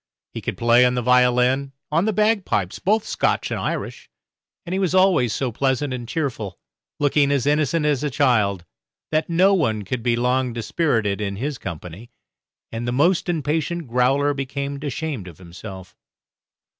He could play on the violin, on the bagpipes both Scotch and Irish and he was always so pleasant and cheerful, looking as innocent as a child, that no one could be long dispirited in his company, and the most impatient growler became ashamed of himself.